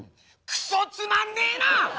くそつまんねえな！